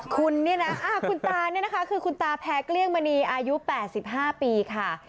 คุณเนี่ยนะคุณตาเนี่ยนะคะคือคุณตาแพร่เกลี้ยงมณีอายุ๘๕ปีค่ะ